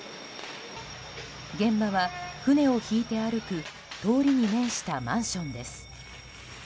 現場は船を引いて歩く通りに面したマンションです。